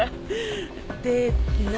で何？